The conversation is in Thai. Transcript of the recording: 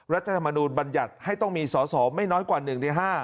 รัฐธรรมนูลบัญญัติให้ต้องมีสอสอไม่น้อยกว่า๑ใน๕